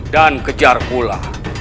dan kejar pula